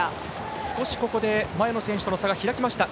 少し前の選手との差が開きました。